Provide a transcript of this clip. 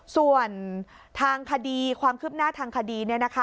ส่วนทางคดีความคืบหน้าทางคดี